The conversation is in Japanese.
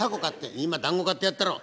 「今団子買ってやったろう」。